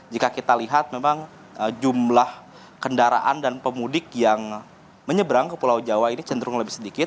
jika kita lihat memang jumlah kendaraan dan pemudik yang menyeberang ke pulau jawa ini cenderung lebih sedikit